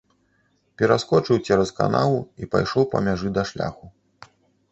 Пераскочыў цераз канаву і пайшоў па мяжы да шляху.